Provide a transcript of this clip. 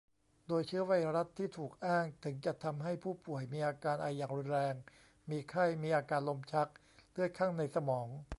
โดยเชื้อไวรัสที่ถูกอ้างถึงจะทำให้ผู้ป่วยมีอาการไออย่างรุนแรง มีไข้ มีอาการลมชัก เลือดคั่งในสมอง